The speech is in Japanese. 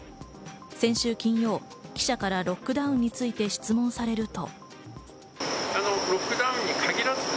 先週金曜、記者からロックダウンについて質問されると。